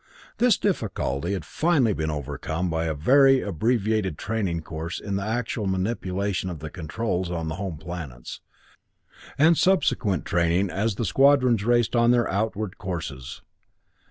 This difficulty had finally been overcome by a very abbreviated training course in the actual manipulation of the controls on the home planets, and subsequent training as the squadrons raced on their outward courses.